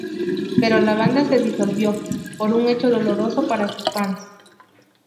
Pero la banda se disolvió, por un hecho doloroso para sus fans.